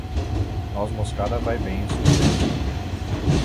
Noz-moscada vai bem em suflês